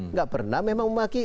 nggak pernah memang memaki